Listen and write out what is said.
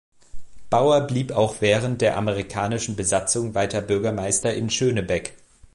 Bauer blieb auch während der amerikanischen Besatzung weiter Bürgermeister in Schönebeck.